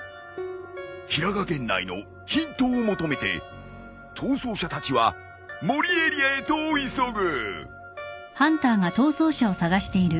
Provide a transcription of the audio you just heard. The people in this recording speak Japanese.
平賀源内のヒントを求めて逃走者たちは森エリアへと急ぐ。